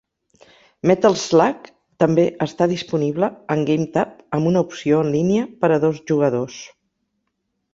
"Metal Slug" també està disponible en GameTap, amb una opció en línia per a dos jugadors.